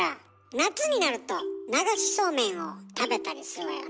夏になると流しそうめんを食べたりするわよね。